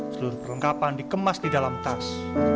seluruh perlengkapan dikemas di dalam tas